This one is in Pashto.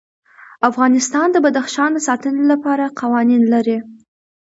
افغانستان د بدخشان د ساتنې لپاره قوانین لري.